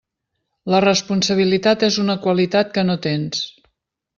La responsabilitat és una qualitat que no tens.